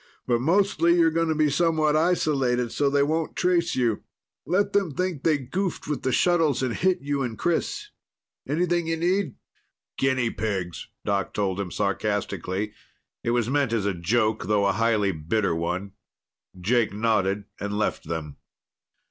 "But mostly, you're going to be somewhat isolated so they won't trace you. Let them think they goofed with the shuttles and hit you and Chris. Anything you need?" "Guinea pigs," Doc told him sarcastically. It was meant as a joke, though a highly bitter one. Jake nodded and left them.